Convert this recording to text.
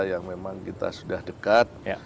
yang memang kita sudah dekat